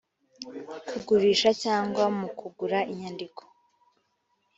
kugurisha cyangwa mu kugura inyandiko